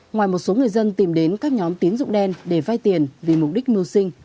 ngoài một số người dân tìm đến các nhóm tiến dụng đen để vai tiền vì mục đích mưu sinh